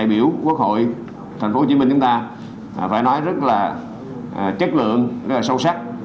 đại biểu quốc hội thành phố hồ chí minh chúng ta phải nói rất là chất lượng rất là sâu sắc